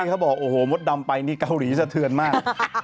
เขาบอกโอ้โหมดดำไปนี่เกาหลีสะเทือนมาก